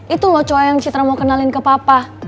itu loh cowok yang citra mau kenalin ke papa